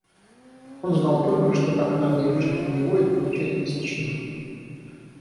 Он знал только, что так надо им жить у него и получать месячину.